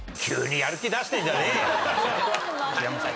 違いますか？